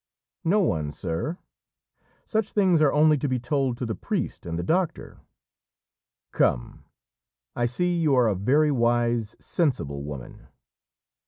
"No one, sir; such things are only to be told to the priest and the doctor." "Come, I see you are a very wise, sensible woman."